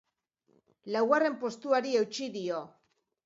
Laugarren postuari eutsi dio.